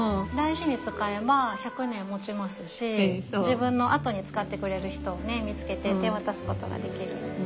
大事に使えば１００年もちますし自分のあとに使ってくれる人をね見つけて手渡すことができる。